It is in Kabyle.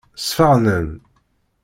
Sfeɣnen.